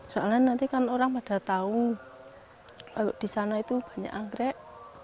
soalnya nanti kan orang pada tahu kalau di sana itu banyak anggrek